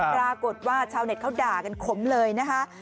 ปรากฏว่าชาวเน็ตเขาด่ากันขมเลยนะคะ